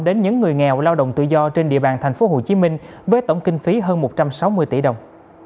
đến những người nghèo lao động tự do trên địa bàn tp hcm với tổng kinh phí hơn một trăm sáu mươi tỷ đồng